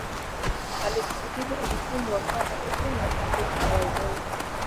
Alisisitiza umuhimu wa kuanza upya na kristo mwanzoni